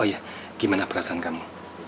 oh ya gimana perasaan kamu